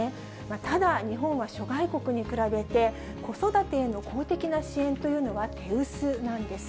ただ、日本は諸外国に比べて、子育てへの公的な支援というのは手薄なんです。